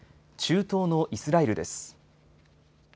中東のイスラエルです。